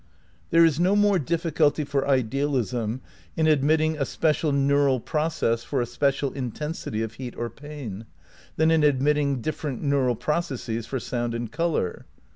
There is no more difficulty for idealism in ad mitting a special neural process for a special intensity of heat or pain, than in admitting different neural processes for sound and colour.